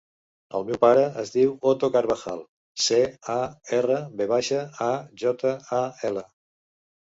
El meu pare es diu Otto Carvajal: ce, a, erra, ve baixa, a, jota, a, ela.